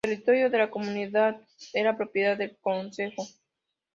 El territorio de la Comunidad era propiedad del Concejo.